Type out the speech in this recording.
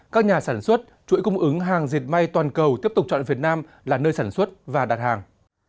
các nhà sản xuất chuỗi cung ứng hàng diệt may toàn cầu tiếp tục chọn việt nam là nơi sản xuất và đặt hàng